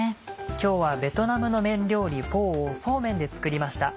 今日はベトナムの麺料理フォーをそうめんで作りました。